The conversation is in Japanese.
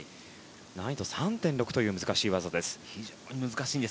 難易度３．６という難しい技。